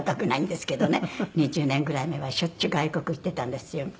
２０年ぐらい前はしょっちゅう外国に行ってたんですよ。